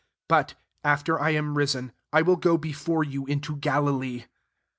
S2 But, after 1 am risen, I will go befpre you into GalDee."